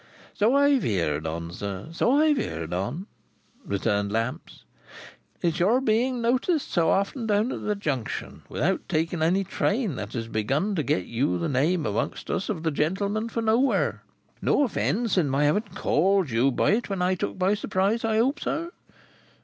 "So I've heerd on, sir, so I've heerd on," returned Lamps. "It's your being noticed so often down at the Junction, without taking any train, that has begun to get you the name among us of the gentleman for Nowhere. No offence in my having called you by it when took by surprise, I hope, sir?"